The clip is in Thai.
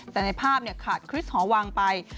แต่ในภาพขาดคริสตหอวังไป